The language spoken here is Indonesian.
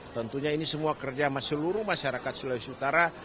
tentunya ini semua kerja sama seluruh masyarakat sulawesi utara